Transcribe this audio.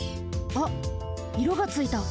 あっいろがついた。